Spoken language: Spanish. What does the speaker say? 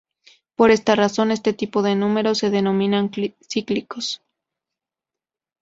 Por esta razón, este tipo de números se denominan cíclicos.